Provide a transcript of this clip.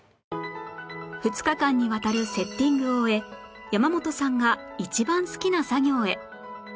２日間にわたるセッティングを終え山本さんが一番好きな作業へ